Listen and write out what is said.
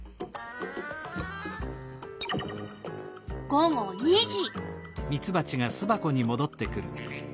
午後２時。